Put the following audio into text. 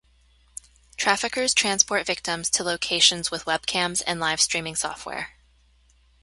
Traffickers transport victims to locations with webcams and live streaming software.